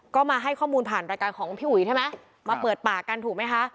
ก็มาให้ข้อมูลผ่านรายการของพี่อุ๋ยใช่ไหมมาเปิดปากกันถูกไหมคะ